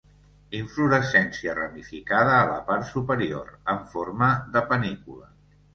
Inflorescència ramificada a la part superior, en forma de panícula.